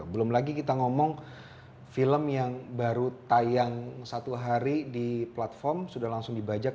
belum lagi kita ngomong film yang baru tayang satu hari di platform sudah langsung dibajak